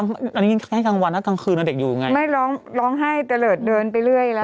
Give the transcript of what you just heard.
อันนี้แค่ทั้งวันแล้วกลางคืนนั้นเด็กอยู่ไงไม่ร้องร้องไห้เตลิดเดินไปเรื่อยแล้ว